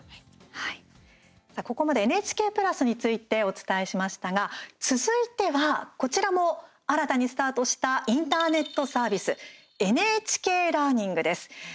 はい、ここまでＮＨＫプラスについてお伝えしましたが、続いてはこちらも新たにスタートしたインターネットサービス「ＮＨＫラーニング」です。